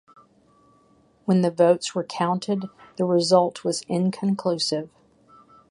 When the votes were counted the result was inconclusive.